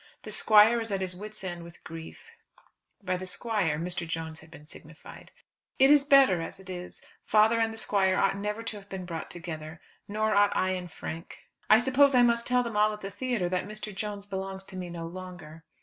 The Squire is at his wits' end with grief." By "the Squire" Mr. Jones had been signified. "It is better as it is. Father and the Squire ought never to have been brought together, nor ought I and Frank. I suppose I must tell them all at the theatre that Mr. Jones belongs to me no longer.